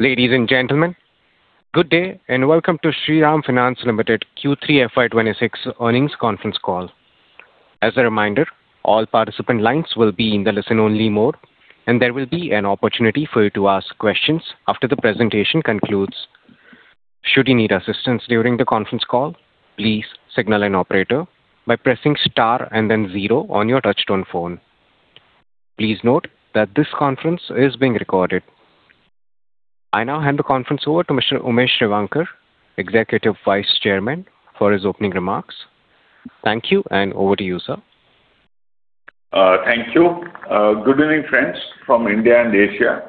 Ladies and gentlemen, good day and welcome to Shriram Finance Umesh Revankar Q3 FY26 earnings conference call. As a reminder, all participant lines will be in the listen-only mode, and there will be an opportunity for you to ask questions after the presentation concludes. Should you need assistance during the conference call, please signal an operator by pressing star and then zero on your touch-tone phone. Please note that this conference is being recorded. I now hand the conference over to Mr. Umesh Revankar, Executive Vice Chairman, for his opening remarks. Thank you, and over to you, sir. Thank you. Good evening, friends from India and Asia.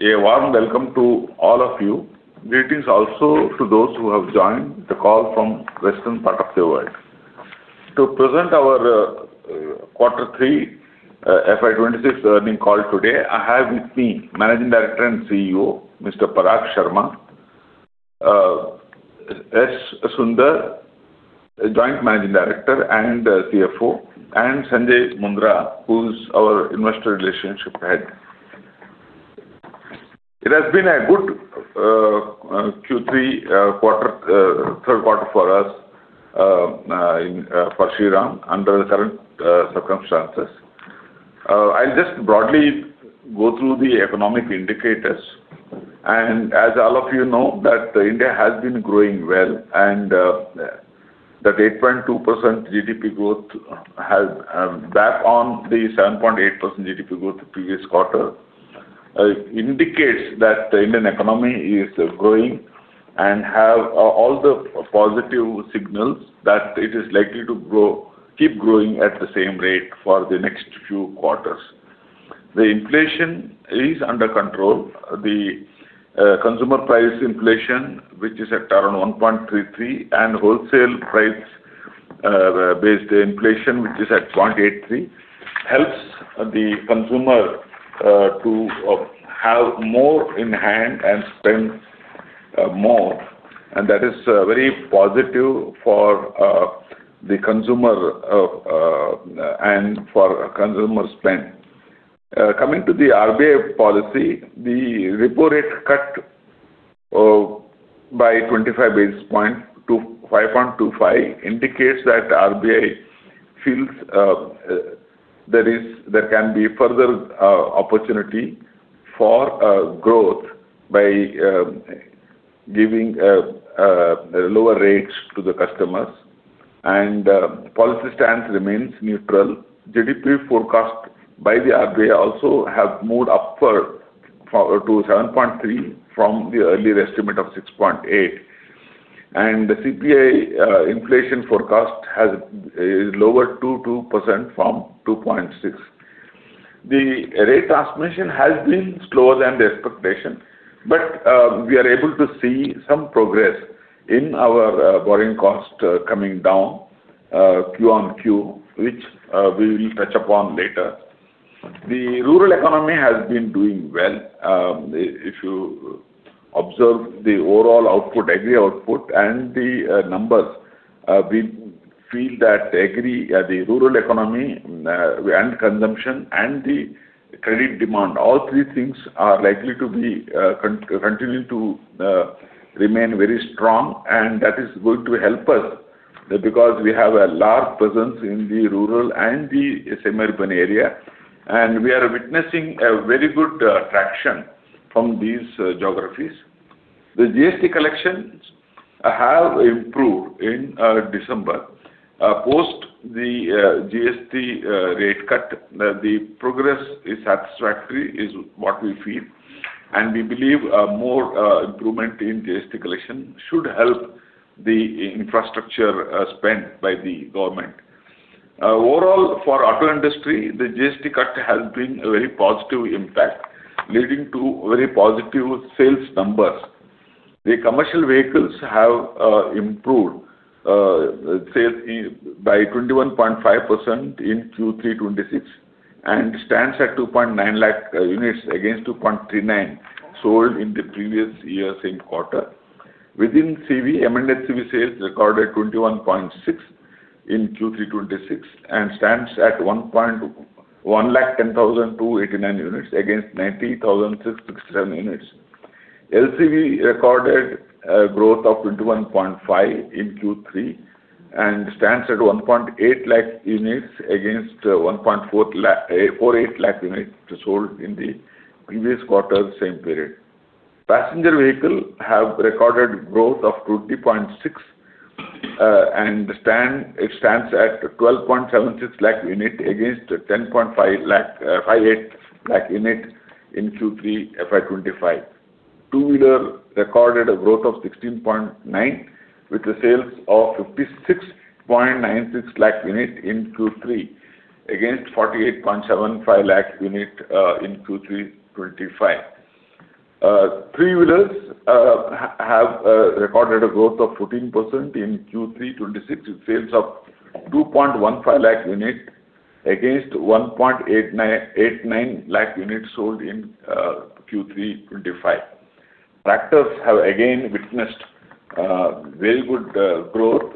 A warm welcome to all of you. Greetings also to those who have joined the call from the western part of the world. To present our Q3 FY26 earnings call today, I have with me Managing Director and CEO, Mr. Parag Sharma, S. Sundar, Joint Managing Director and CFO, and Sanjay Mundra, who is our Investor Relationship Head. It has been a good Q3 third quarter for us, for Shriram, under the current circumstances. I'll just broadly go through the economic indicators. And as all of you know, India has been growing well, and that 8.2% GDP growth back on the 7.8% GDP growth the previous quarter indicates that the Indian economy is growing and has all the positive signals that it is likely to keep growing at the same rate for the next few quarters. The inflation is under control. The consumer price inflation, which is at around 1.33, and wholesale price-based inflation, which is at 0.83, helps the consumer to have more in hand and spend more. That is very positive for the consumer and for consumer spend. Coming to the RBI policy, the repo rate cut by 25 basis points to 5.25 indicates that RBI feels there can be further opportunity for growth by giving lower rates to the customers. Policy stance remains neutral. GDP forecast by the RBI also has moved upward to 7.3 from the earlier estimate of 6.8. The CPI inflation forecast is lower 22% from 2.6. The rate transmission has been slower than the expectation, but we are able to see some progress in our borrowing cost coming down Q on Q, which we will touch upon later. The rural economy has been doing well. If you observe the overall output, agri output, and the numbers, we feel that the rural economy and consumption and the credit demand, all three things are likely to continue to remain very strong. That is going to help us because we have a large presence in the rural and the suburban area. We are witnessing a very good traction from these geographies. The GST collections have improved in December. Post the GST rate cut, the progress is satisfactory, is what we feel. We believe more improvement in GST collection should help the infrastructure spend by the government. Overall, for the auto industry, the GST cut has been a very positive impact, leading to very positive sales numbers. The commercial vehicles have improved by 21.5% in Q3 2026 and stands at 2.9 lakh units against 2.39 sold in the previous year same quarter. Within CV, M&HCV sales recorded 21.6% in Q3 2026 and stands at 110,289 units against 90,667 units. LCV recorded growth of 21.5% in Q3 and stands at 1.8 lakh units against 48 lakh units sold in the previous quarter same period. Passenger vehicle have recorded growth of 20.6% and stands at 12.76 lakh units against 10.58 lakh units in Q3 FY 2025. Two-wheeler recorded a growth of 16.9% with the sales of 56.96 lakh units in Q3 against 48.75 lakh units in Q3 2025. Three-wheelers have recorded a growth of 14% in Q3 2026, sales of 2.15 lakh units against 1.89 lakh units sold in Q3 2025. Tractors have again witnessed very good growth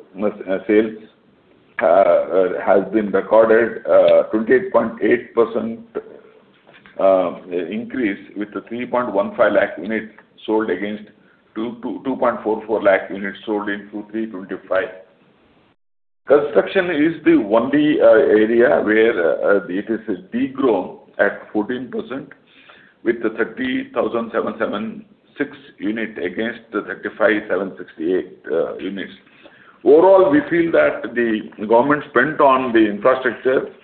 sales. Has been recorded 28.8% increase with 3.15 lakh units sold against 2.44 lakh units sold in Q3 2025. Construction is the only area where it is degrown at 14% with 30,776 units against 35,768 units. Overall, we feel that the government spend on the infrastructure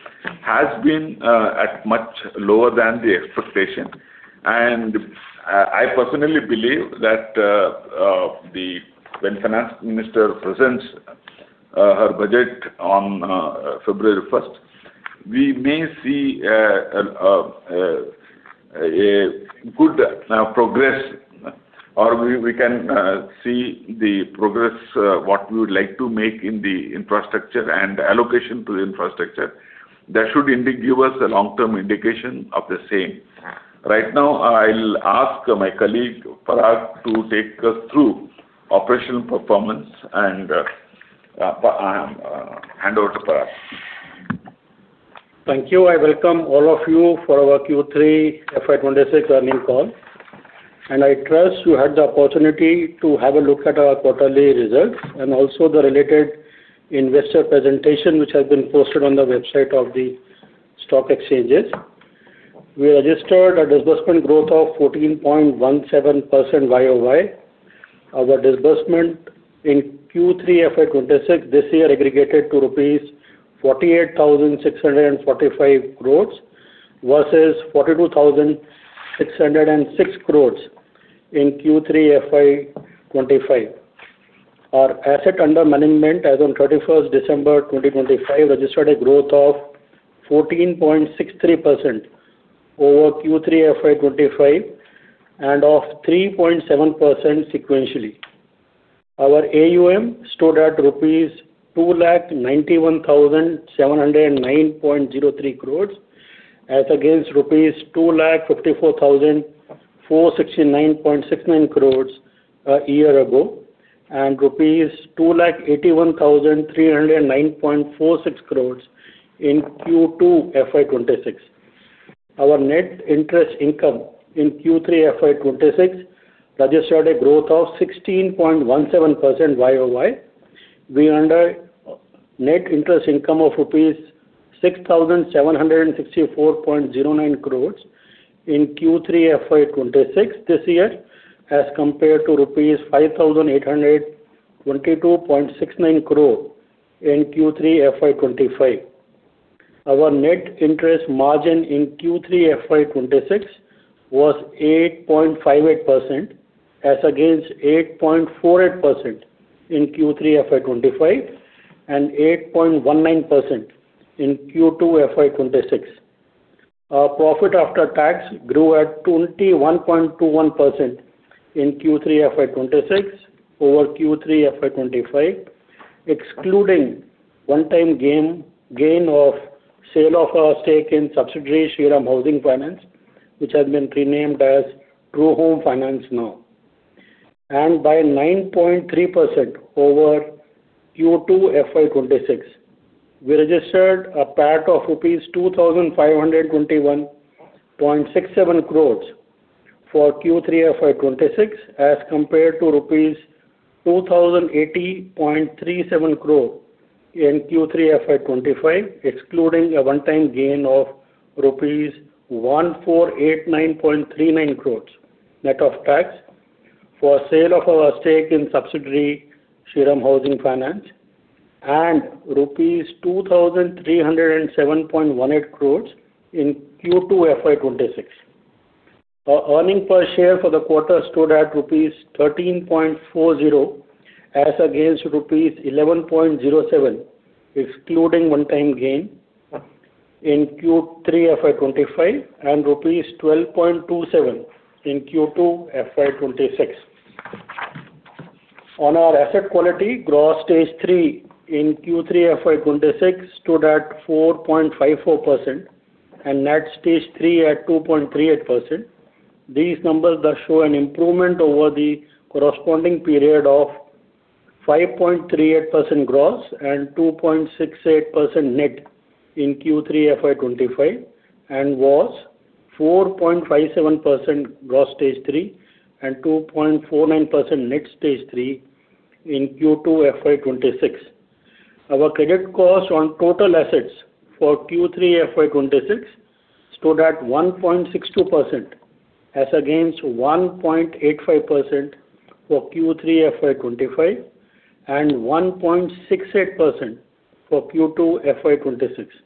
has been much lower than the expectation. I personally believe that when Finance Minister presents her budget on February 1st, we may see a good progress, or we can see the progress what we would like to make in the infrastructure and allocation to the infrastructure. That should give us a long-term indication of the same. Right now, I'll ask my colleague Parag to take us through operational performance, and I'll hand over to Parag. Thank you. I welcome all of you for our Q3 FY 2026 earnings call. I trust you had the opportunity to have a look at our quarterly results and also the related investor presentation, which has been posted on the website of the stock exchanges. We registered a disbursement growth of 14.17% year-over-year. Our disbursement in Q3 FY 2026 this year aggregated to rupees 48,645 crores versus 42,606 crores in Q3 FY 2025. Our assets under management as of 31st December 2025 registered a growth of 14.63% over Q3 FY 2025 and of 3.7% sequentially. Our AUM stood at rupees 291,709.03 crores as against rupees 254,469.69 crores a year ago and rupees 281,309.46 crores in Q2 FY 2026. Our net interest income in Q3 FY 2026 registered a growth of 16.17% year-over-year. Our net interest income of rupees 6,764.09 crores in Q3 FY 2026 this year as compared to rupees 5,822.69 crores in Q3 FY 2025. Our net interest margin in Q3 FY 2026 was 8.58% as against 8.48% in Q3 FY 2025 and 8.19% in Q2 FY 2026. Our profit after tax grew at 21.21% in Q3 FY 2026 over Q3 FY 2025, excluding one-time gain of sale of our stake in subsidiary Shriram Housing Finance, which has been renamed as Grihum Housing Finance now. By 9.3% over Q2 FY 2026, we registered a PAT of rupees 2,521.67 crores for Q3 FY 2026 as compared to rupees 2,080.37 crores in Q3 FY 2025, excluding a one-time gain of rupees 1,489.39 crores net of tax for sale of our stake in subsidiary Shriram Housing Finance and rupees 2,307.18 crores in Q2 FY 2026. Our earnings per share for the quarter stood at Rs 13.40 as against Rs 11.07, excluding one-time gain in Q3 FY 2025 and Rs 12.27 in Q2 FY 2026. On our asset quality, Gross Stage III in Q3 FY 2026 stood at 4.54% and Net Stage III at 2.38%. These numbers show an improvement over the corresponding period of 5.38% gross and 2.68% net in Q3 FY 2025 and was 4.57% Gross Stage III and 2.49% Net Stage III in Q2 FY 2026. Our credit cost on total assets for Q3 FY 2026 stood at 1.62% as against 1.85% for Q3 FY 2025 and 1.68% for Q2 FY 2026.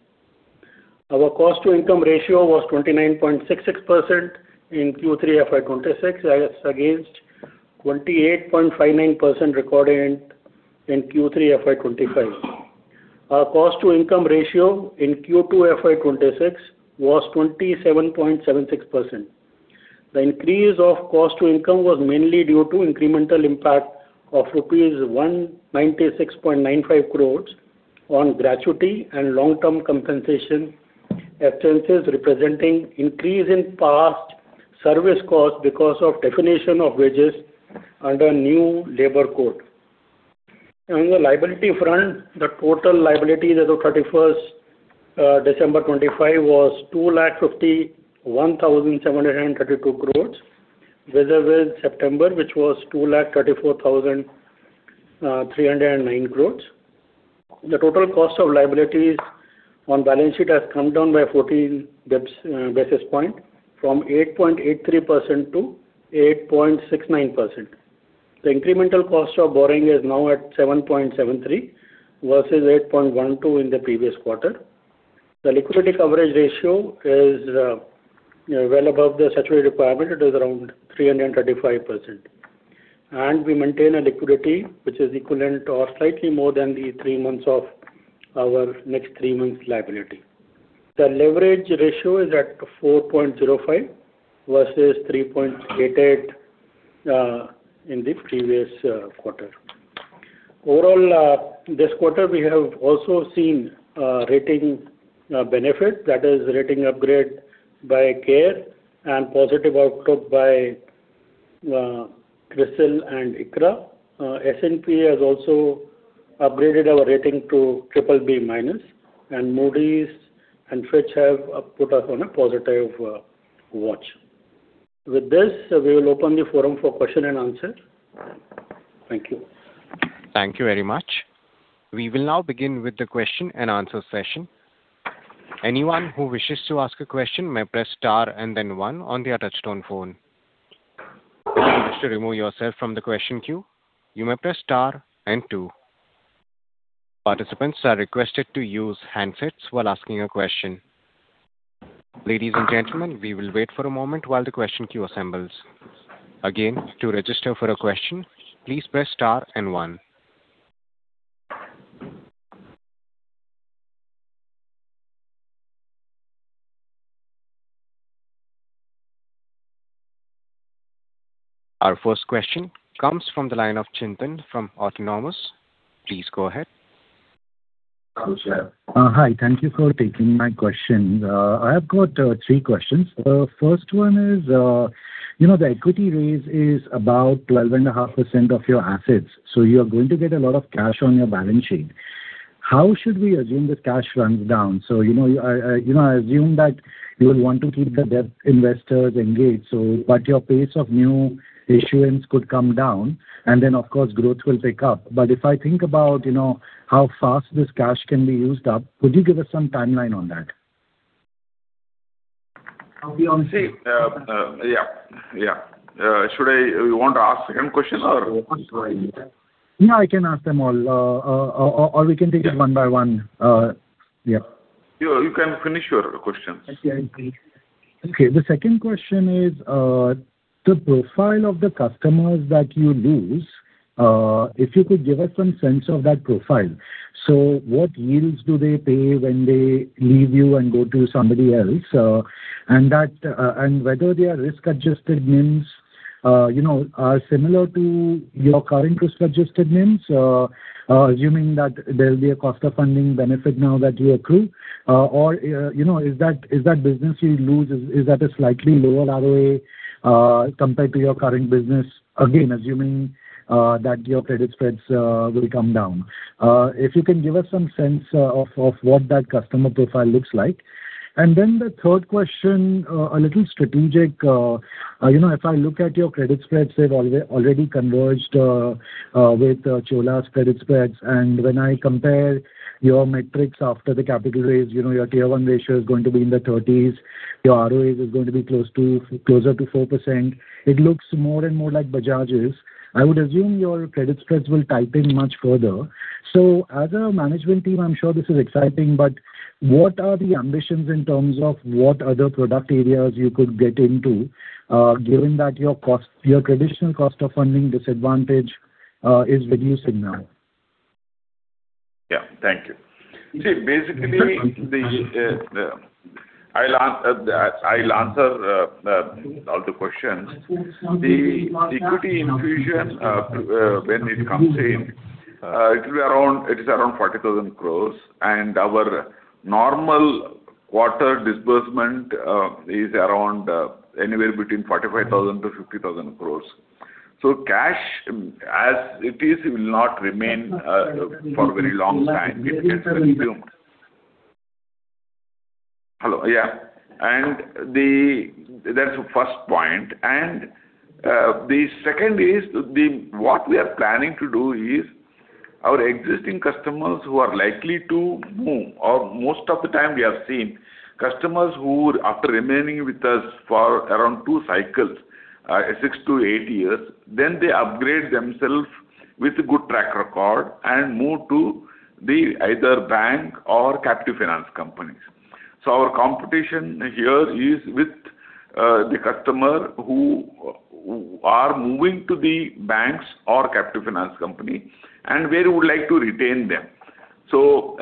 Our cost-to-income ratio was 29.66% in Q3 FY 2026 as against 28.59% recorded in Q3 FY 2025. Our cost-to-income ratio in Q2 FY 2026 was 27.76%. The increase of cost-to-income was mainly due to incremental impact of rupees 196.95 crores on gratuity and long-term compensation expenses representing increase in past service costs because of definition of wages under new labor code. On the liability front, the total liability as of 31st December 2025 was 251,732 crores, with as of September which was 234,309 crores. The total cost of liabilities on balance sheet has come down by 14 basis points from 8.83% to 8.69%. The incremental cost of borrowing is now at 7.73 versus 8.12 in the previous quarter. The liquidity coverage ratio is well above the saturated requirement. It is around 335%. And we maintain a liquidity which is equivalent or slightly more than the three months of our next three months liability. The leverage ratio is at 4.05 versus 3.88 in the previous quarter. Overall, this quarter, we have also seen rating benefit, that is, rating upgrade by CARE and positive outlook by CRISIL and ICRA. S&P has also upgraded our rating to BBB-, and Moody's and Fitch have put us on a positive watch. With this, we will open the forum for question and answer. Thank you. Thank you very much. We will now begin with the question and answer session. Anyone who wishes to ask a question may press star and then one on the touch-tone phone. If you wish to remove yourself from the question queue, you may press star and two. Participants are requested to use handsets while asking a question. Ladies and gentlemen, we will wait for a moment while the question queue assembles. Again, to register for a question, please press star and one. Our first question comes from the line of Chintan from Autonomous. Please go ahead. Hi. Thank you for taking my question. I have got three questions. The first one is, you know, the equity raise is about 12.5% of your assets. So you are going to get a lot of cash on your balance sheet. How should we assume this cash runs down? So you know, I assume that you will want to keep the debt investors engaged. So but your pace of new issuance could come down, and then, of course, growth will pick up. But if I think about, you know, how fast this cash can be used up, could you give us some timeline on that? Yeah. Yeah. Should I want to ask the second question or? Yeah, I can ask them all, or we can take it one by one. Yeah. You can finish your questions. Okay. The second question is the profile of the customers that you lose, if you could give us some sense of that profile. So what yields do they pay when they leave you and go to somebody else? And whether their risk-adjusted NIMs, you know, are similar to your current risk-adjusted NIMs, assuming that there will be a cost of funding benefit now that you accrue? Or is that business you lose, is that a slightly lower ROA compared to your current business? Again, assuming that your credit spreads will come down. If you can give us some sense of what that customer profile looks like. And then the third question, a little strategic. You know, if I look at your credit spreads, they've already converged with Cholas credit spreads. When I compare your metrics after the capital raise, you know, your Tier 1 Ratio is going to be in the 30s. Your ROA is going to be closer to 4%. It looks more and more like Bajaj's. I would assume your credit spreads will tighten much further. So as a management team, I'm sure this is exciting, but what are the ambitions in terms of what other product areas you could get into, given that your traditional cost of funding disadvantage is reducing now? Yeah. Thank you. See, basically, I'll answer all the questions. The equity infusion, when it comes in, it is around 40,000 crore, and our normal quarter disbursement is around anywhere between 45,000-50,000 crore. So cash, as it is, will not remain for a very long time. It gets consumed. Hello. Yeah. And that's the first point. And the second is what we are planning to do is our existing customers who are likely to move, or most of the time we have seen customers who are remaining with us for around 2 cycles, 6 to 8 years, then they upgrade themselves with a good track record and move to either bank or captive finance companies. So our competition here is with the customers who are moving to the banks or captive finance company and where we would like to retain them. So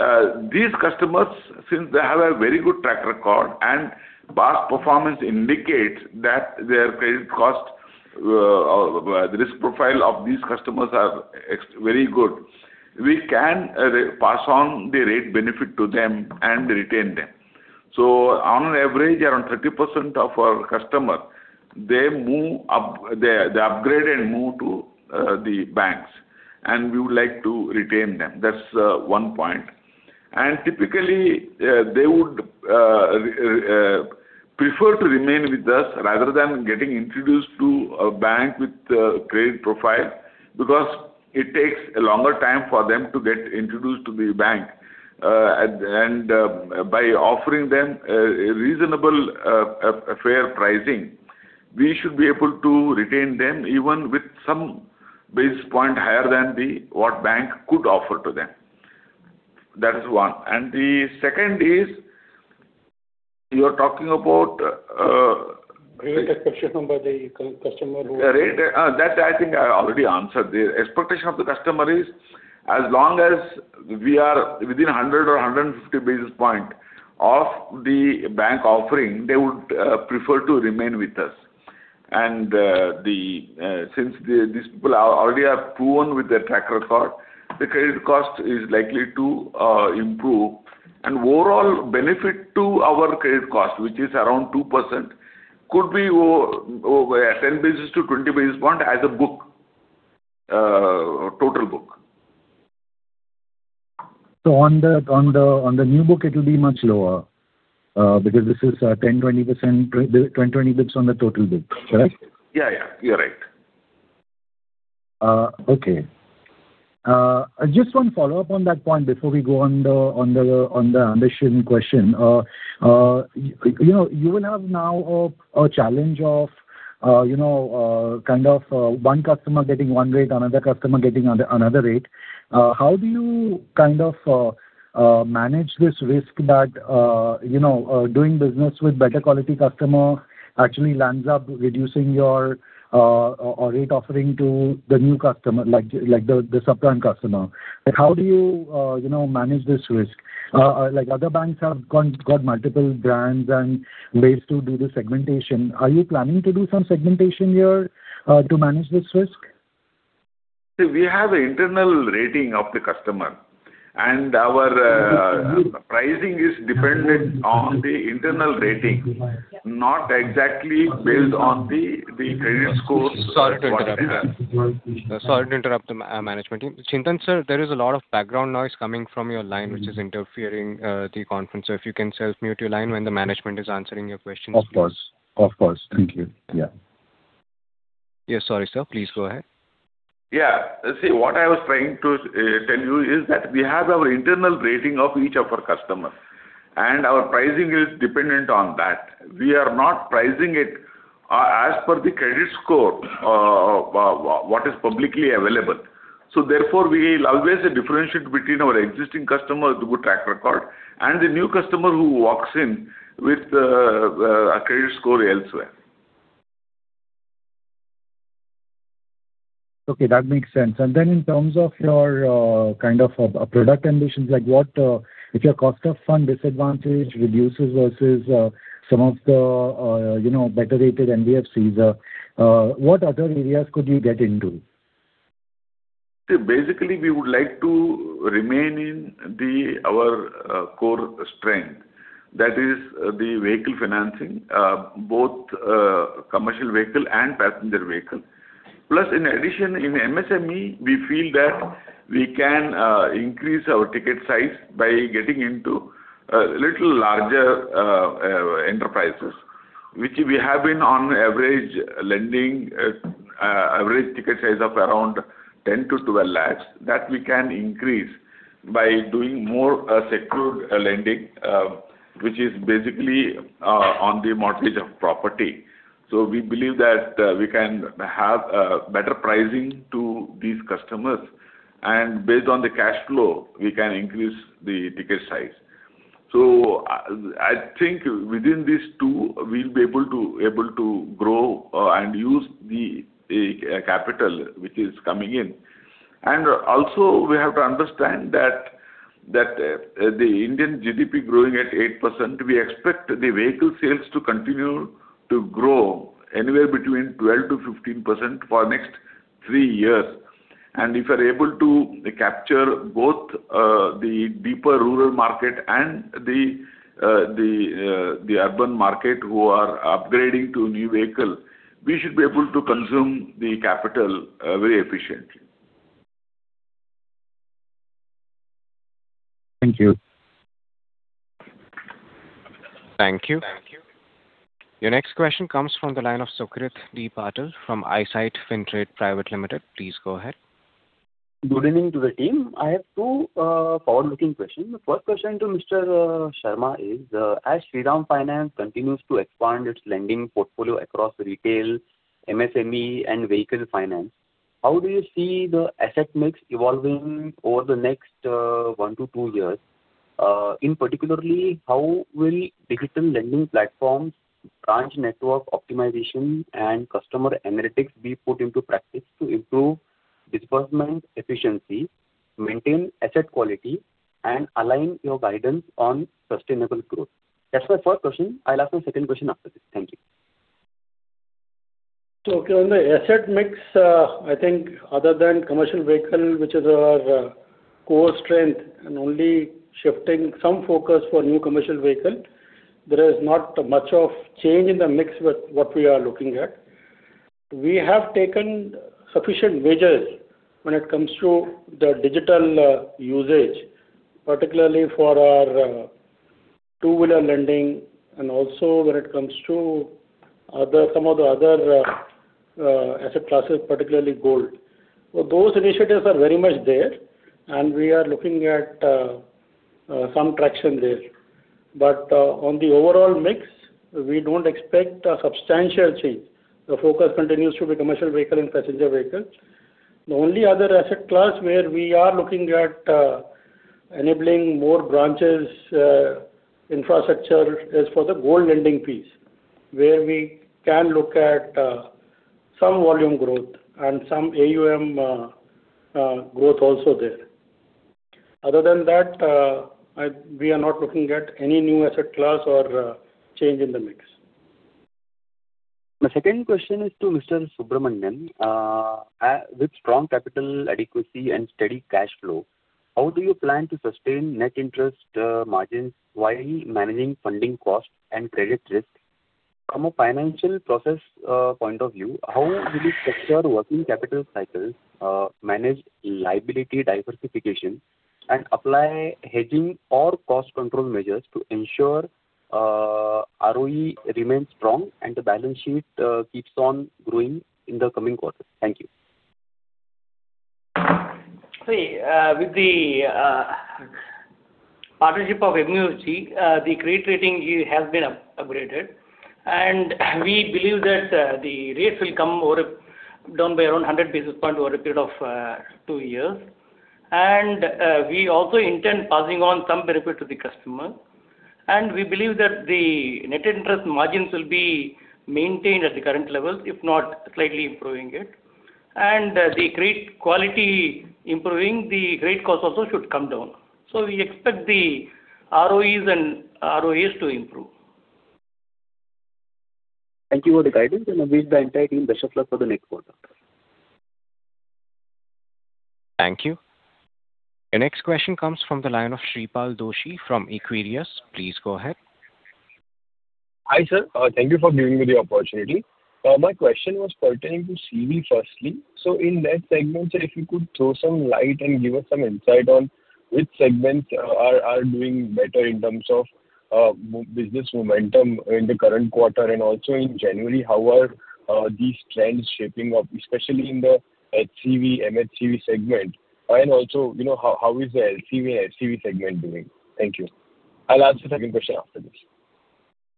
these customers, since they have a very good track record and past performance indicates that their credit cost, the risk profile of these customers are very good, we can pass on the rate benefit to them and retain them. So on average, around 30% of our customers, they upgrade and move to the banks, and we would like to retain them. That's one point. And typically, they would prefer to remain with us rather than getting introduced to a bank with a credit profile because it takes a longer time for them to get introduced to the bank. And by offering them a reasonable, fair pricing, we should be able to retain them even with some basis point higher than what the bank could offer to them. That's one. And the second is you're talking about. Rate expectation by the customer who. That I think I already answered there. Expectation of the customer is as long as we are within 100 or 150 basis points of the bank offering, they would prefer to remain with us. Since these people already have proven with their track record, the credit cost is likely to improve. Overall benefit to our credit cost, which is around 2%, could be 10 basis to 20 basis points as a book, total book. So on the new book, it will be much lower because this is 10, 20 bps on the total book, correct? Yeah. Yeah. You're right. Okay. Just one follow-up on that point before we go on the ambition question. You will have now a challenge of kind of one customer getting one rate, another customer getting another rate. How do you kind of manage this risk that doing business with better quality customer actually lands up reducing your rate offering to the new customer, like the subprime customer? How do you manage this risk? Other banks have got multiple brands and ways to do the segmentation. Are you planning to do some segmentation here to manage this risk? We have an internal rating of the customer, and our pricing is dependent on the internal rating, not exactly built on the credit score. Sorry to interrupt there. Sorry to interrupt the management team. Chintan sir, there is a lot of background noise coming from your line, which is interfering with the conference. So if you can self-mute your line when the management is answering your questions. Of course. Of course. Thank you. Yeah. Yes. Sorry, sir. Please go ahead. Yeah. See, what I was trying to tell you is that we have our internal rating of each of our customers, and our pricing is dependent on that. We are not pricing it as per the credit score, what is publicly available. So therefore, we will always differentiate between our existing customers with good track record and the new customer who walks in with a credit score elsewhere. Okay. That makes sense. And then in terms of your kind of product ambitions, like if your cost of fund disadvantage reduces versus some of the better rated NBFCs, what other areas could you get into? Basically, we would like to remain in our core strength, that is the vehicle financing, both commercial vehicle and passenger vehicle. Plus, in addition, in MSME, we feel that we can increase our ticket size by getting into a little larger enterprises, which we have been on average lending average ticket size of around 10-12 lakh, that we can increase by doing more secured lending, which is basically on the mortgage of property. So we believe that we can have better pricing to these customers. And based on the cash flow, we can increase the ticket size. So I think within these two, we'll be able to grow and use the capital which is coming in. And also, we have to understand that the Indian GDP growing at 8%, we expect the vehicle sales to continue to grow anywhere between 12%-15% for the next three years. If we are able to capture both the deeper rural market and the urban market who are upgrading to new vehicle, we should be able to consume the capital very efficiently. Thank you. Thank you. Your next question comes from the line of Sukrit Deep Patil from Eyesight Fintrade Private Limited. Please go ahead. Good evening to the team. I have two forward-looking questions. The first question to Mr. Sharma is, as Shriram Finance continues to expand its lending portfolio across retail, MSME, and vehicle finance, how do you see the asset mix evolving over the next one to two years? In particular, how will digital lending platforms, branch network optimization, and customer analytics be put into practice to improve disbursement efficiency, maintain asset quality, and align your guidance on sustainable growth? That's my first question. I'll ask my second question after this. Thank you. So on the asset mix, I think other than commercial vehicle, which is our core strength, and only shifting some focus for new commercial vehicle, there is not much of change in the mix with what we are looking at. We have taken sufficient measures when it comes to the digital usage, particularly for our two-wheeler lending, and also when it comes to some of the other asset classes, particularly gold. So those initiatives are very much there, and we are looking at some traction there. But on the overall mix, we don't expect a substantial change. The focus continues to be commercial vehicle and passenger vehicle. The only other asset class where we are looking at enabling more branches infrastructure is for the gold lending piece, where we can look at some volume growth and some AUM growth also there. Other than that, we are not looking at any new asset class or change in the mix. My second question is to Mr. Subramanian. With strong capital adequacy and steady cash flow, how do you plan to sustain net interest margins while managing funding costs and credit risk? From a financial process point of view, how will you structure working capital cycles, manage liability diversification, and apply hedging or cost control measures to ensure ROE remains strong and the balance sheet keeps on growing in the coming quarters? Thank you. See, with the partnership of MUFG, the credit rating has been upgraded, and we believe that the rates will come down by around 100 basis points over a period of two years. We also intend passing on some benefit to the customer. We believe that the net interest margins will be maintained at the current levels, if not slightly improving it. The credit quality improving, the credit cost also should come down. We expect the ROEs and ROAs to improve. Thank you for the guidance, and I wish the entire team the best of luck for the next quarter. Thank you. Your next question comes from the line of Shreepal Doshi from Equirius. Please go ahead. Hi sir. Thank you for giving me the opportunity. My question was pertaining to CV firstly. So in that segment, sir, if you could throw some light and give us some insight on which segments are doing better in terms of business momentum in the current quarter and also in January, how are these trends shaping up, especially in the HCV, MHCV segment? And also, how is the LCV and SCV segment doing? Thank you. I'll ask the second question after this.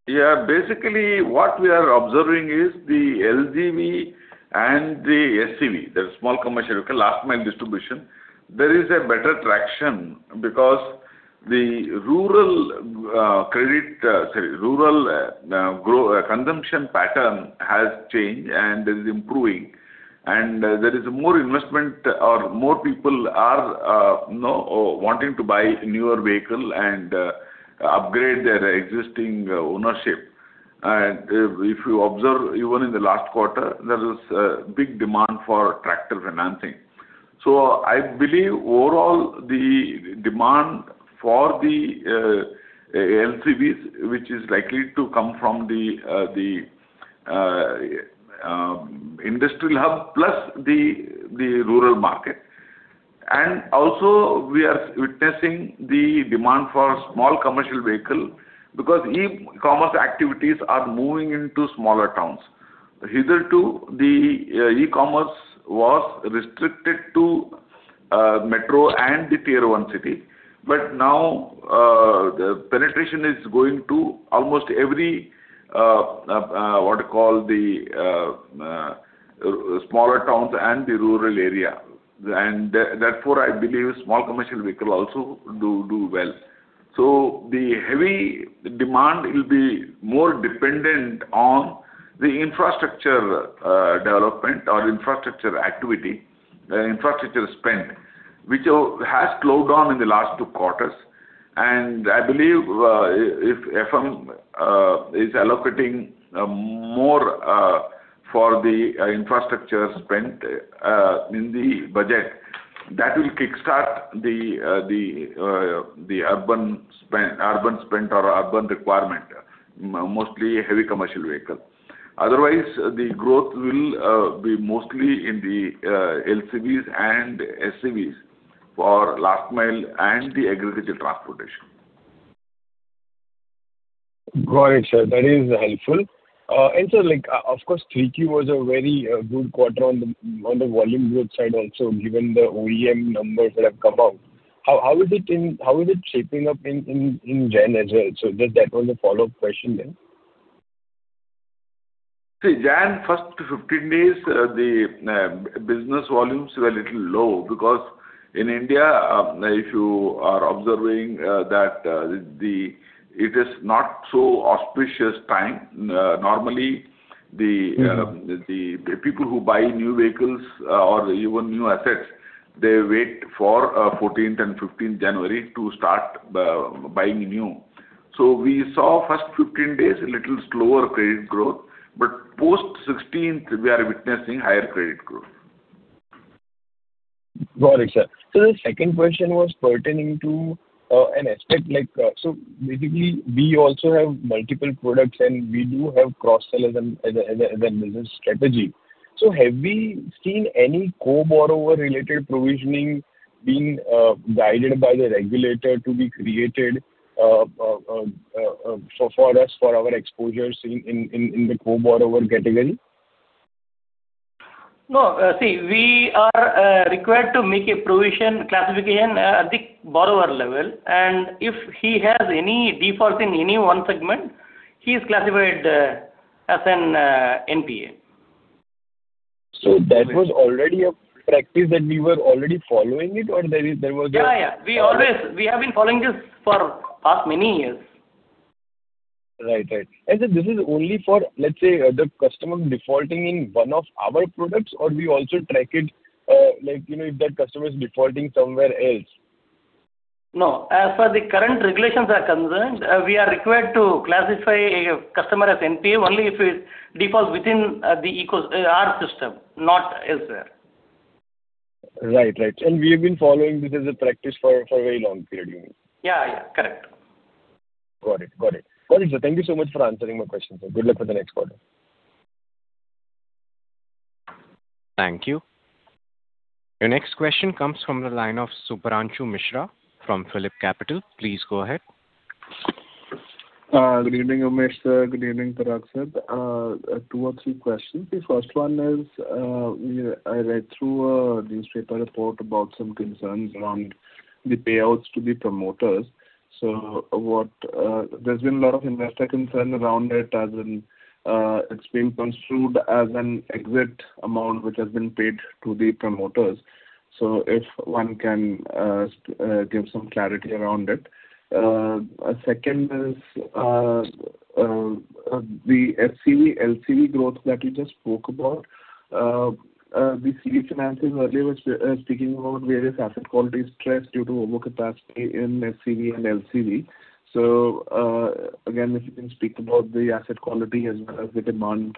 Yeah. Basically, what we are observing is the LCV and the SCV, the small commercial vehicle last-mile distribution. There is a better traction because the rural credit consumption pattern has changed and is improving. And there is more investment, or more people are wanting to buy newer vehicles and upgrade their existing ownership. And if you observe, even in the last quarter, there was a big demand for tractor financing. So I believe overall the demand for the LCVs, which is likely to come from the industrial hub plus the rural market. And also, we are witnessing the demand for small commercial vehicles because e-commerce activities are moving into smaller towns. Hitherto, the e-commerce was restricted to Metro and the Tier 1 city, but now the penetration is going to almost every, what do you call, the smaller towns and the rural area. Therefore, I believe small commercial vehicles also do well. The heavy demand will be more dependent on the infrastructure development or infrastructure activity, infrastructure spend, which has slowed down in the last two quarters. I believe if FM is allocating more for the infrastructure spend in the budget, that will kickstart the urban spend or urban requirement, mostly heavy commercial vehicles. Otherwise, the growth will be mostly in the LCVs and SCVs for last-mile and the agricultural transportation. Got it, sir. That is helpful. And sir, of course, 3Q was a very good quarter on the volume growth side also, given the OEM numbers that have come out. How is it shaping up in JAN as well? So just that was a follow-up question there. See, January, first 15 days, the business volumes were a little low because in India, if you are observing that it is not so auspicious time. Normally, the people who buy new vehicles or even new assets, they wait for 14th and 15th January to start buying new. So we saw first 15 days a little slower credit growth, but post 16th, we are witnessing higher credit growth. Got it, sir. So the second question was pertaining to an aspect like, so basically, we also have multiple products, and we do have cross-sellers as a business strategy. So have we seen any co-borrower-related provisioning being guided by the regulator to be created for us, for our exposures in the co-borrower category? No. See, we are required to make a provision classification at the borrower level. If he has any defaults in any one segment, he is classified as an NPA. That was already a practice that we were already following it, or there was a? Yeah, yeah. We have been following this for many years. Right, right. And sir, this is only for, let's say, the customer defaulting in one of our products, or we also track it if that customer is defaulting somewhere else? No. As far as the current regulations are concerned, we are required to classify a customer as NPA only if it defaults within our system, not elsewhere. Right, right. We have been following this as a practice for a very long period, you mean? Yeah, yeah. Correct. Got it. Got it. Got it, sir. Thank you so much for answering my question, sir. Good luck for the next quarter. Thank you. Your next question comes from the line of Shubhranshu Mishra from PhillipCapital. Please go ahead. Good evening, Umesh sir. Good evening, Parag sir. Two or three questions. The first one is I read through a newspaper report about some concerns around the payouts to the promoters. So there's been a lot of investor concern around it as it's being construed as an exit amount which has been paid to the promoters. So if one can give some clarity around it. Second is the LCV growth that we just spoke about. The CV financing earlier was speaking about various asset quality stress due to overcapacity in SCV and LCV. So again, if you can speak about the asset quality as well as the demand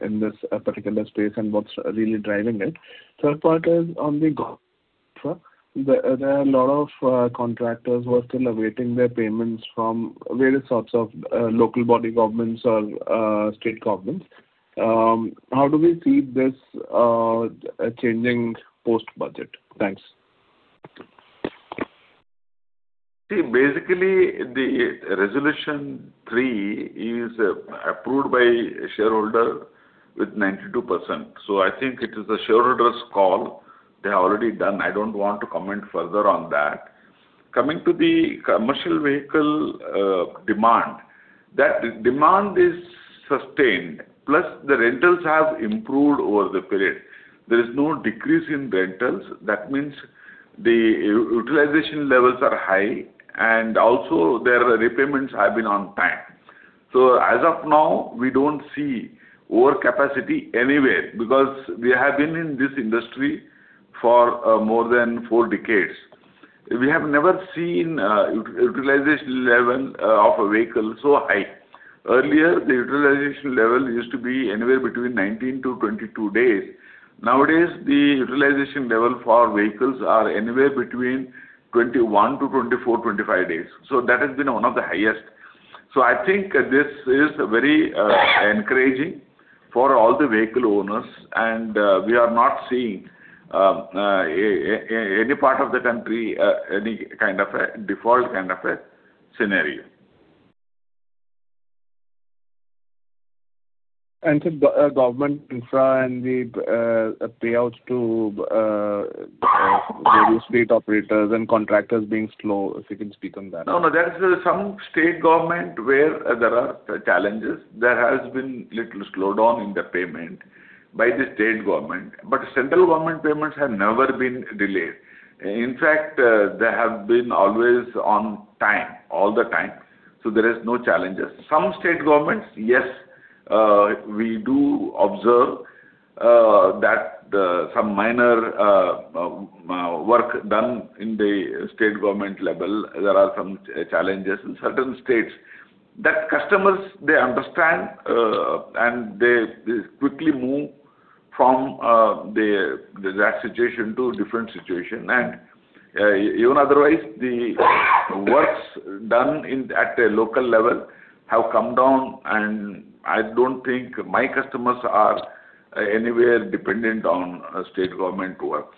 in this particular space and what's really driving it. Third part is on the GATRA. There are a lot of contractors who are still awaiting their payments from various sorts of local body governments or state governments. How do we see this changing post-budget? Thanks. See, basically, the Resolution 3 is approved by shareholder with 92%. So I think it is a shareholder's call. They have already done. I don't want to comment further on that. Coming to the commercial vehicle demand, that demand is sustained, plus the rentals have improved over the period. There is no decrease in rentals. That means the utilization levels are high, and also their repayments have been on time. So as of now, we don't see overcapacity anywhere because we have been in this industry for more than four decades. We have never seen utilization level of a vehicle so high. Earlier, the utilization level used to be anywhere between 19-22 days. Nowadays, the utilization level for vehicles is anywhere between 21-25 days. So that has been one of the highest. I think this is very encouraging for all the vehicle owners, and we are not seeing any part of the country any kind of a default kind of a scenario. Sir, government infra and the payouts to various state operators and contractors being slow, if you can speak on that? No, no. There is some state government where there are challenges. There has been little slowdown in the payment by the state government, but central government payments have never been delayed. In fact, they have been always on time, all the time. So there are no challenges. Some state governments, yes, we do observe that some minor work done in the state government level, there are some challenges in certain states. That customers, they understand, and they quickly move from that situation to a different situation. And even otherwise, the works done at a local level have come down, and I don't think my customers are anywhere dependent on state government works.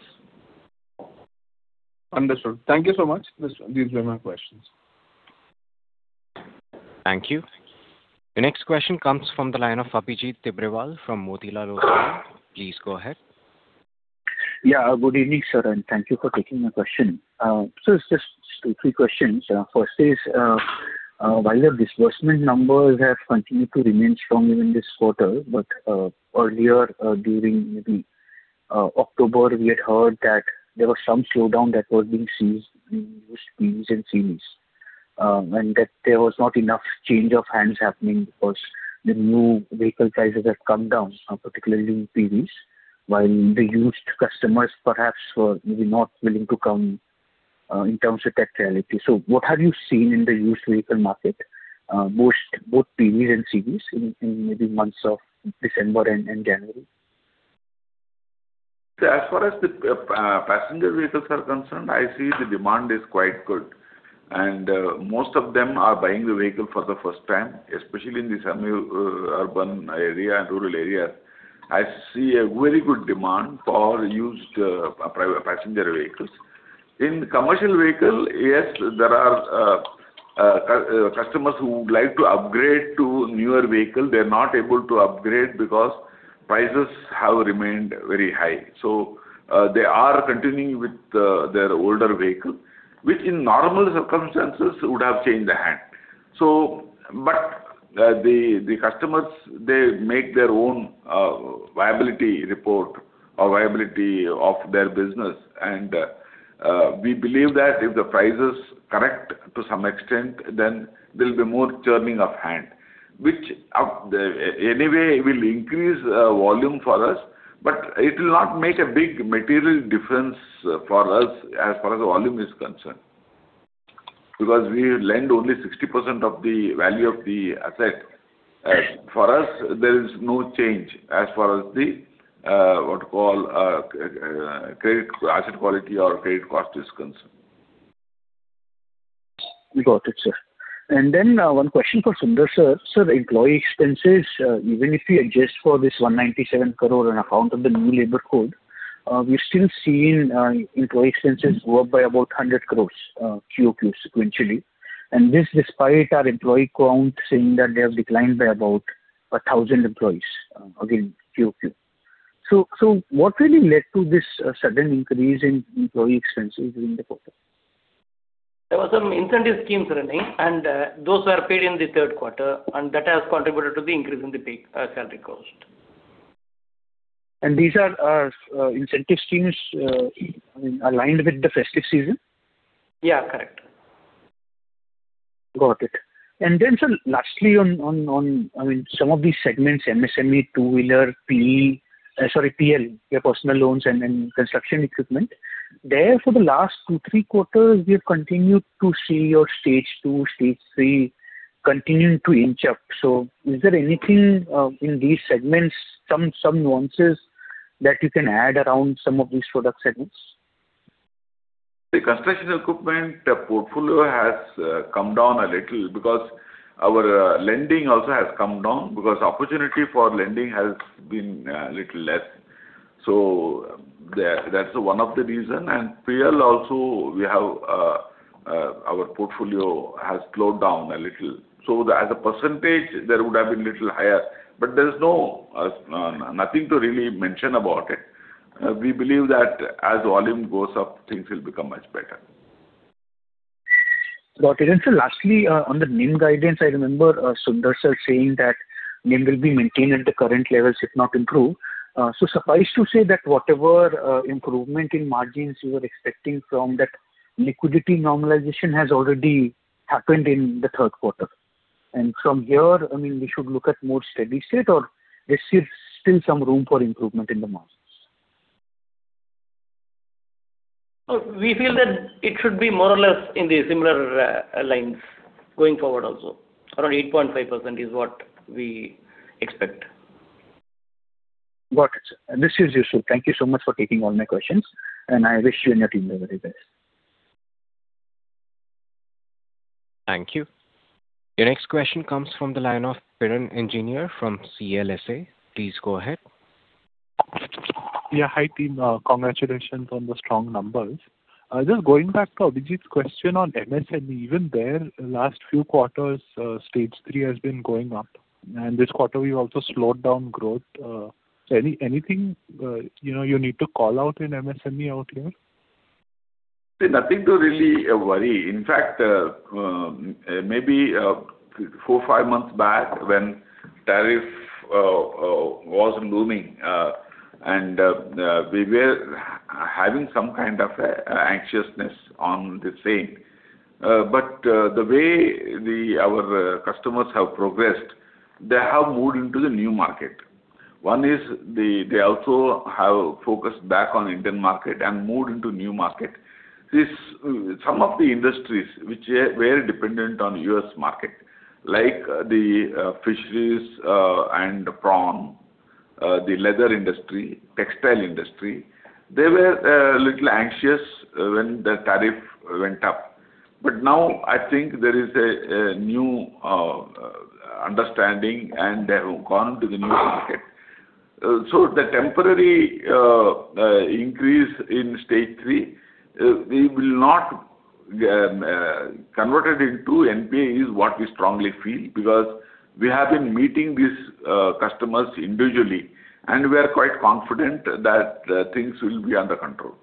Understood. Thank you so much. These were my questions. Thank you. Your next question comes from the line of Abhijit Tibrewal from Motilal Oswal. Please go ahead. Yeah. Good evening, sir, and thank you for taking my question. So it's just two or three questions. First is, while the disbursement numbers have continued to remain strong even this quarter, but earlier during October, we had heard that there was some slowdown that was being seen in used PVs and CVs, and that there was not enough change of hands happening because the new vehicle prices have come down, particularly in PVs, while the used customers perhaps were maybe not willing to come in terms of that reality. So what have you seen in the used vehicle market, both PVs and CVs, in the months of December and January? As far as the passenger vehicles are concerned, I see the demand is quite good. Most of them are buying the vehicle for the first time, especially in these urban area and rural areas. I see a very good demand for used passenger vehicles. In commercial vehicles, yes, there are customers who would like to upgrade to newer vehicles. They are not able to upgrade because prices have remained very high. They are continuing with their older vehicle, which in normal circumstances would have changed the hand. The customers, they make their own viability report or viability of their business. We believe that if the prices correct to some extent, then there will be more turning of hand, which anyway will increase volume for us, but it will not make a big material difference for us as far as volume is concerned because we lend only 60% of the value of the asset. For us, there is no change as far as the, what do you call, asset quality or credit cost is concerned. Got it, sir. And then one question for Sundar sir. Sir, employee expenses, even if we adjust for this 197 crore on account of the new labor code, we've still seen employee expenses go up by about 100 crore QOQ sequentially. And this despite our employee count saying that they have declined by about 1,000 employees again QOQ. So what really led to this sudden increase in employee expenses during the quarter? There were some incentive schemes, RBI, and those were paid in the third quarter, and that has contributed to the increase in the salary cost. These incentive schemes aligned with the festive season? Yeah, correct. Got it. And then, sir, lastly, I mean, some of these segments, MSME, two-wheeler, PE, sorry, PL, your personal loans, and then construction equipment, there for the last 2, 3 quarters, we have continued to see your stage two, stage three continuing to inch up. So is there anything in these segments, some nuances that you can add around some of these product segments? The construction equipment portfolio has come down a little because our lending also has come down because opportunity for lending has been a little less. So that's one of the reasons. PL also, our portfolio has slowed down a little. As a percentage, there would have been a little higher, but there's nothing to really mention about it. We believe that as volume goes up, things will become much better. Got it. And sir, lastly, on the NIM guidance, I remember Sundar sir saying that NIM will be maintained at the current levels if not improved. So suffice to say that whatever improvement in margins you were expecting from that liquidity normalization has already happened in the third quarter. And from here, I mean, we should look at more steady state or there's still some room for improvement in the margins? We feel that it should be more or less in the similar lines going forward also. Around 8.5% is what we expect. Got it, sir. This is useful. Thank you so much for taking all my questions, and I wish you and your team a very good day. Thank you. Your next question comes from the line of Piran Engineer from CLSA. Please go ahead. Yeah. Hi, team. Congratulations on the strong numbers. Just going back to Abhijit's question on MSME, even there, last few quarters, Stage 3 has been going up. And this quarter, we also slowed down growth. Anything you need to call out in MSME out here? Nothing to really worry. In fact, maybe 4 to 5 months back when tariff was looming, and we were having some kind of anxiousness on the same. But the way our customers have progressed, they have moved into the new market. One is they also have focused back on the Indian market and moved into the new market. Some of the industries which were dependent on the U.S. market, like the fisheries and the prawn, the leather industry, textile industry, they were a little anxious when the tariff went up. But now, I think there is a new understanding, and they have gone into the new market. So the temporary increase in stage three, we will not convert it into NPA is what we strongly feel because we have been meeting these customers individually, and we are quite confident that things will be under control.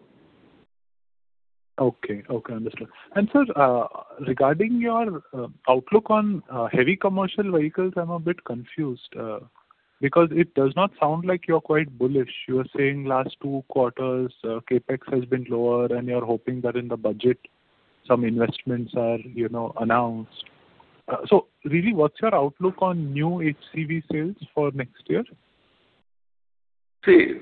Okay. Okay. Understood. And sir, regarding your outlook on heavy commercial vehicles, I'm a bit confused because it does not sound like you're quite bullish. You were saying last two quarters, CAPEX has been lower, and you're hoping that in the budget, some investments are announced. So really, what's your outlook on new HCV sales for next year? See,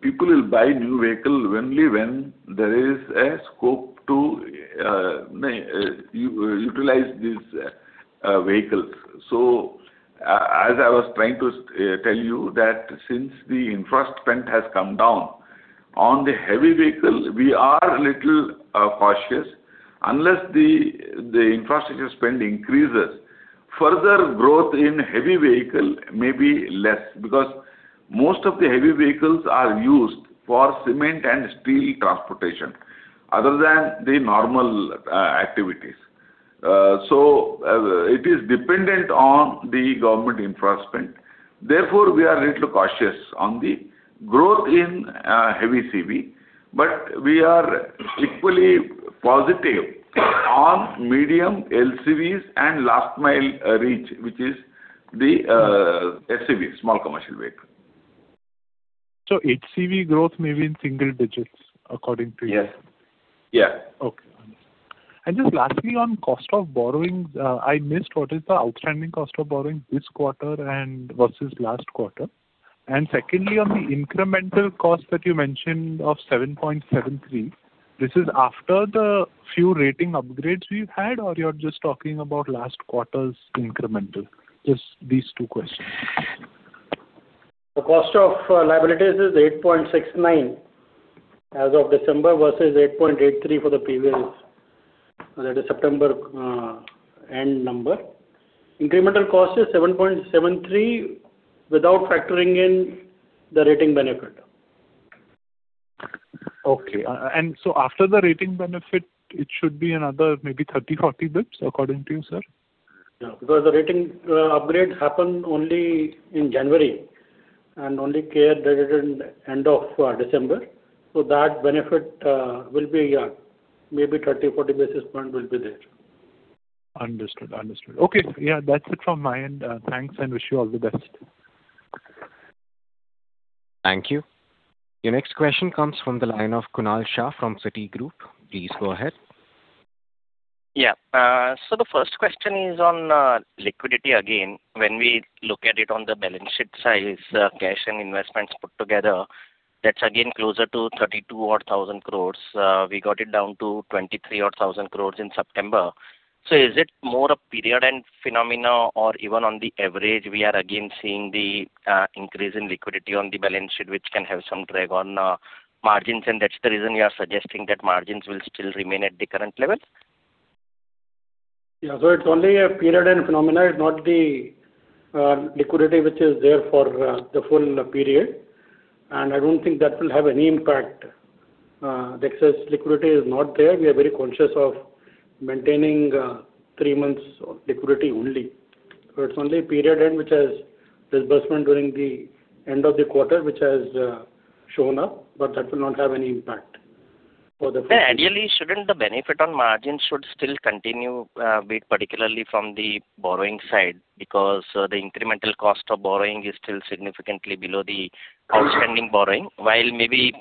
people will buy new vehicles only when there is a scope to utilize these vehicles. So as I was trying to tell you that since the infrastructure spend has come down on the heavy vehicle, we are a little cautious unless the infrastructure spend increases. Further growth in heavy vehicles may be less because most of the heavy vehicles are used for cement and steel transportation other than the normal activities. So it is dependent on the government infrastructure. Therefore, we are a little cautious on the growth in heavy CV, but we are equally positive on medium LCVs and last-mile reach, which is the SCV, small commercial vehicle. So HCV growth may be in single digits, according to you. Yes. Yeah. Okay. And just lastly, on cost of borrowing, I missed what is the outstanding cost of borrowing this quarter versus last quarter. And secondly, on the incremental cost that you mentioned of 7.73, this is after the few rating upgrades we've had, or you're just talking about last quarter's incremental? Just these two questions. The cost of liabilities is 8.69 as of December versus 8.83 for the previous. That is September end number. Incremental cost is 7.73 without factoring in the rating benefit. Okay. And so after the rating benefit, it should be another maybe 30 to 40 bps, according to you, sir? Yeah. Because the rating upgrade happened only in January and only came at the end of December. So that benefit will be maybe 30-40 basis points will be there. Understood. Understood. Okay. Yeah. That's it from my end. Thanks, and wish you all the best. Thank you. Your next question comes from the line of Kunal Shah from Citigroup. Please go ahead. Yeah. So the first question is on liquidity again. When we look at it on the balance sheet size, cash and investments put together, that's again closer to 32,000 crore. We got it down to 23,000 crore in September. So is it more a period and phenomena, or even on the average, we are again seeing the increase in liquidity on the balance sheet, which can have some drag on margins? And that's the reason we are suggesting that margins will still remain at the current level? Yeah. So it's only a period and phenomena. It's not the liquidity which is there for the full period. And I don't think that will have any impact. The excess liquidity is not there. We are very conscious of maintaining three months of liquidity only. So it's only a period end, which has disbursement during the end of the quarter, which has shown up, but that will not have any impact for the. Ideally, shouldn't the benefit on margins should still continue a bit, particularly from the borrowing side, because the incremental cost of borrowing is still significantly below the outstanding borrowing, while maybe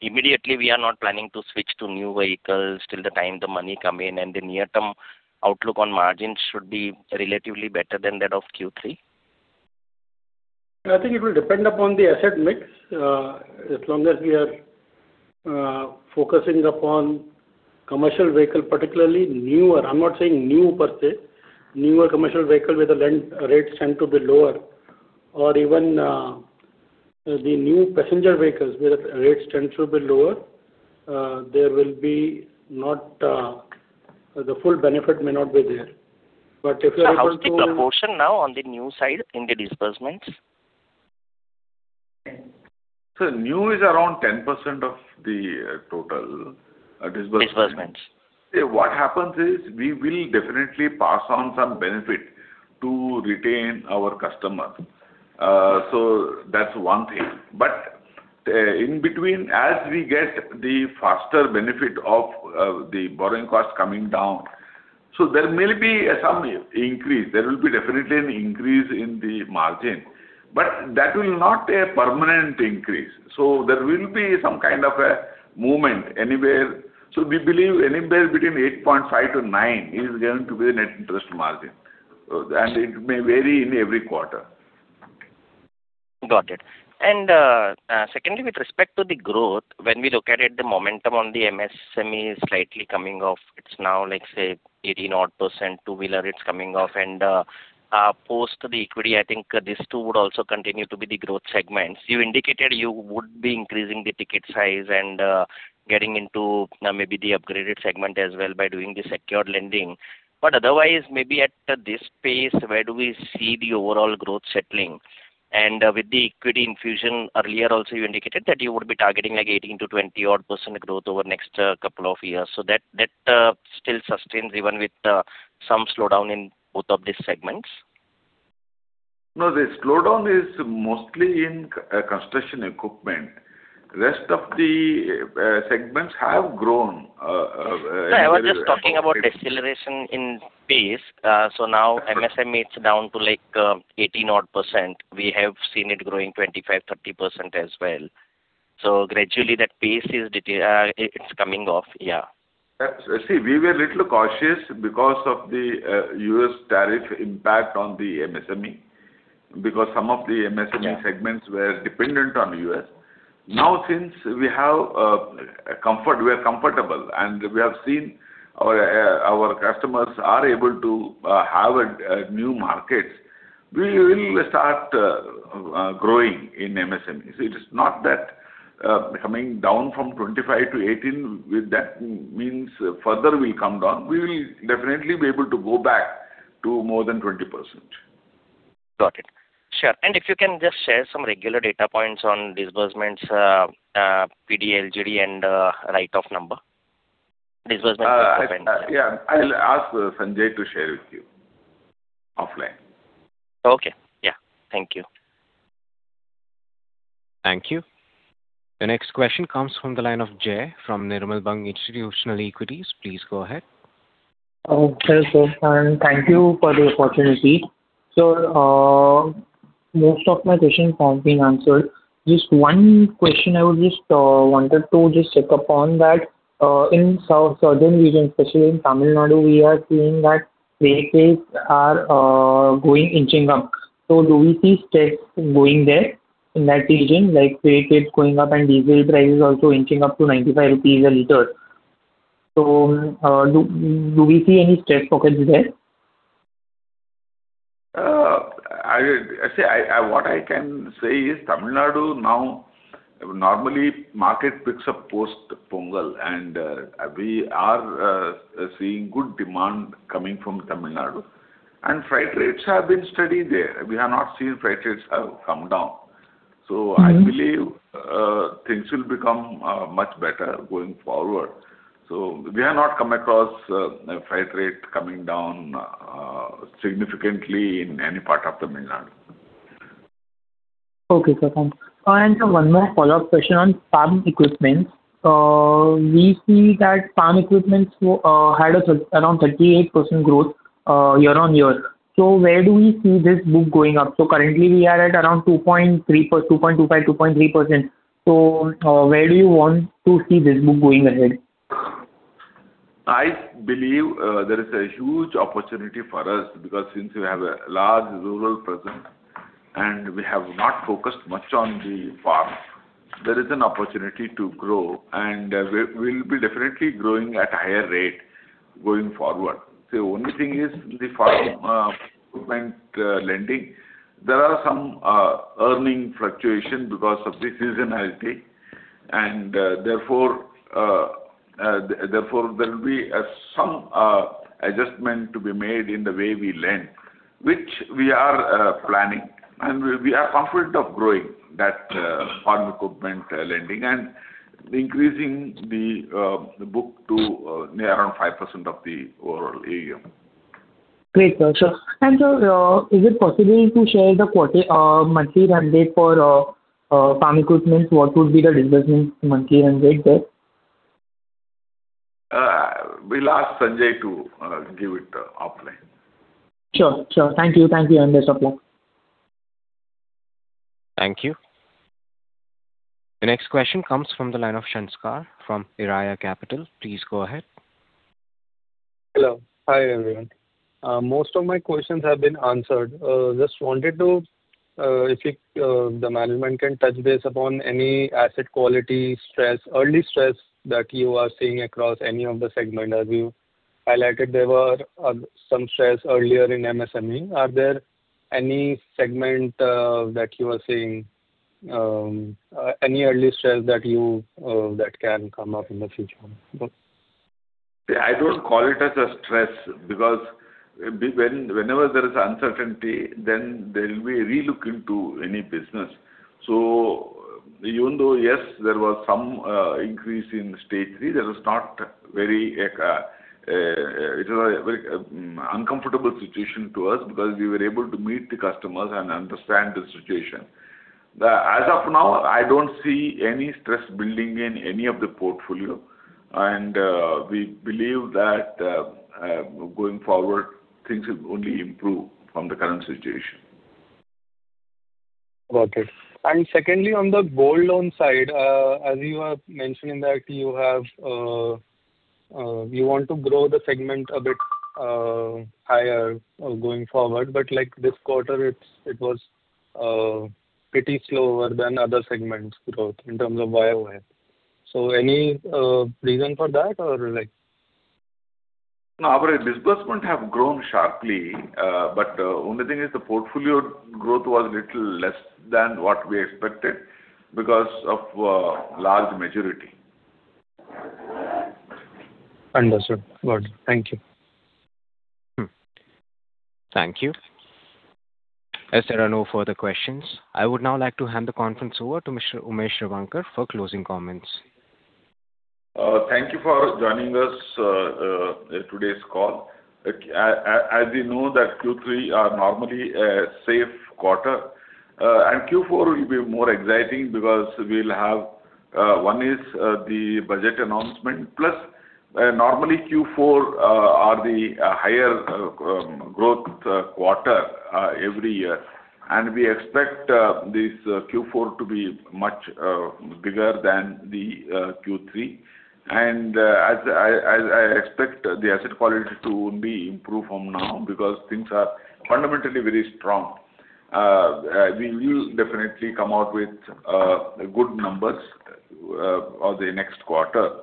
immediately we are not planning to switch to new vehicles till the time the money comes in, and the near-term outlook on margins should be relatively better than that of Q3? I think it will depend upon the asset mix. As long as we are focusing upon commercial vehicle, particularly newer, I'm not saying new per se, newer commercial vehicle with the rates tend to be lower, or even the new passenger vehicles with rates tend to be lower, there will be not the full benefit may not be there. But if you're able to. Can you speak to the portion now on the new side in the disbursements? New is around 10% of the total disbursements. Disbursements. What happens is we will definitely pass on some benefit to retain our customers. So that's one thing. But in between, as we get the faster benefit of the borrowing cost coming down, so there may be some increase. There will be definitely an increase in the margin, but that will not be a permanent increase. So there will be some kind of a movement anywhere. So we believe anywhere between 8.5%-9% is going to be the net interest margin. And it may vary in every quarter. Got it. And secondly, with respect to the growth, when we look at it, the momentum on the MSME is slightly coming off. It's now, let's say, 18-odd% two-wheeler it's coming off. And post the equity, I think these two would also continue to be the growth segments. You indicated you would be increasing the ticket size and getting into maybe the upgraded segment as well by doing the secured lending. But otherwise, maybe at this pace, where do we see the overall growth settling? And with the equity infusion earlier, also you indicated that you would be targeting like 18%-20-odd% growth over the next couple of years. So that still sustains even with some slowdown in both of these segments? No, the slowdown is mostly in construction equipment. The rest of the segments have grown. I was just talking about deceleration in pace. So now MSME, it's down to like 18-odd%. We have seen it growing 25%, 30% as well. So gradually that pace is coming off. Yeah. See, we were a little cautious because of the U.S. tariff impact on the MSME because some of the MSME segments were dependent on the U.S. Now, since we are comfortable and we have seen our customers are able to have new markets, we will start growing in MSME. So it is not that coming down from 25 to 18, that means further will come down. We will definitely be able to go back to more than 20%. Got it. Sure. If you can just share some regular data points on disbursements, PD LGD, and right of number disbursement? Yeah. I'll ask Sanjay to share with you offline. Okay. Yeah. Thank you. Thank you. The next question comes from the line of Jay from Nirmal Bang Institutional Equities. Please go ahead. Hello sir. Thank you for the opportunity. Most of my questions have been answered. Just one question I would just wanted to just check upon that. In South Southern region, especially in Tamil Nadu, we are seeing that freight rates are going inching up. Do we see stress going there in that region, like freight rates going up and diesel prices also inching up to ₹95 a liter? Do we see any stress pockets there? See, what I can say is Tamil Nadu now normally market picks up post Pongal, and we are seeing good demand coming from Tamil Nadu. Freight rates have been steady there. We have not seen freight rates have come down. So I believe things will become much better going forward. So we have not come across freight rate coming down significantly in any part of Tamil Nadu. Okay. Perfect. One more follow-up question on farm equipment. We see that farm equipment had around 38% growth year-on-year. So where do we see this book going up? So currently, we are at around 2.25% to 2.3%. So where do you want to see this book going ahead? I believe there is a huge opportunity for us because since we have a large rural presence and we have not focused much on the farm, there is an opportunity to grow, and we will be definitely growing at a higher rate going forward. The only thing is the farm equipment lending. There are some earnings fluctuation because of this seasonality, and therefore there will be some adjustment to be made in the way we lend, which we are planning. We are confident of growing that farm equipment lending and increasing the book to around 5% of the overall AUM. Great, sir. And sir, is it possible to share the monthly rate for farm equipment? What would be the disbursement monthly rate there? We'll ask Sanjay to give it offline. Sure. Sure. Thank you. Thank you. And best of luck. Thank you. The next question comes from the line of Shankar from Elara Capital. Please go ahead. Hello. Hi everyone. Most of my questions have been answered. Just wanted to see if the management can touch base upon any asset quality stress, early stress that you are seeing across any of the segments. As you highlighted, there were some stress earlier in MSME. Are there any segments that you are seeing, any early stress that can come up in the future? I don't call it as a stress because whenever there is uncertainty, then there will be a re-look into any business. So even though, yes, there was some increase in stage three, there was not a very uncomfortable situation to us because we were able to meet the customers and understand the situation. As of now, I don't see any stress building in any of the portfolio, and we believe that going forward, things will only improve from the current situation. Got it. And secondly, on the gold loan side, as you were mentioning that you want to grow the segment a bit higher going forward, but this quarter, it was pretty slower than other segments' growth in terms of year-over-year. So any reason for that, or? No, our disbursement has grown sharply, but the only thing is the portfolio growth was a little less than what we expected because of large maturities. Understood. Good. Thank you. Thank you. As there are no further questions, I would now like to hand the conference over to Mr. Umesh Revankar for closing comments. Thank you for joining us in today's call. As you know, Q3 are normally a safe quarter, and Q4 will be more exciting because we'll have one is the budget announcement, plus normally Q4 are the higher growth quarter every year. We expect this Q4 to be much bigger than the Q3. As I expect, the asset quality to be improved from now because things are fundamentally very strong. We will definitely come out with good numbers for the next quarter,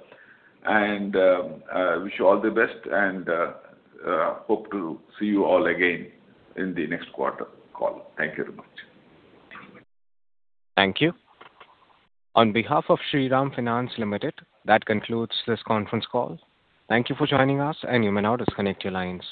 and we wish you all the best and hope to see you all again in the next quarter call. Thank you very much. Thank you. On behalf of Shriram Finance Limited, that concludes this conference call. Thank you for joining us, and you may now disconnect your lines.